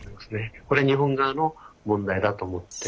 これは日本側の問題だと思ってますけども。